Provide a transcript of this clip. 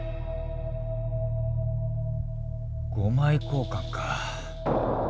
５枚交換か。